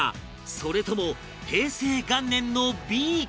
それとも平成元年のＢか？